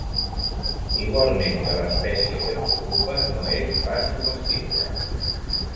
Igualment que l'espècie que ens ocupa no és pas comestible.